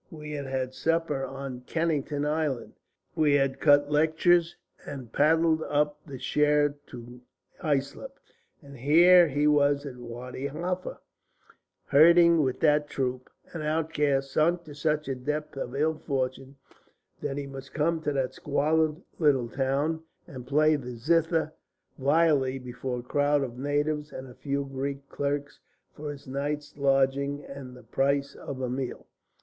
We had had supper on Kennington Island; we had cut lectures and paddled up the Cher to Islip. And here he was at Wadi Halfa, herding with that troupe, an outcast, sunk to such a depth of ill fortune that he must come to that squalid little town and play the zither vilely before a crowd of natives and a few Greek clerks for his night's lodging and the price of a meal."